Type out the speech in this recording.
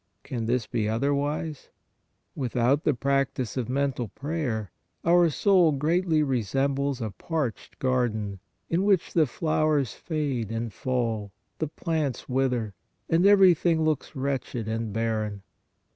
Can this be otherwise ? Without the practice of mental prayer our soul greatly resembles a parched garden, in which the flowers fade and fall, the plants wither, and everything looks wretched MENTAL PRAYER 159 and barren.